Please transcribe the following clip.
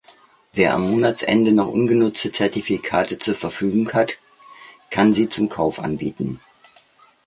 Wer am Monatsende noch ungenutzte Zertifikate zur Verfügung hat, kann sie zum Kauf anbieten.